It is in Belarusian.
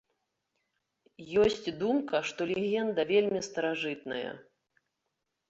Ёсць думка, што легенда вельмі старажытная.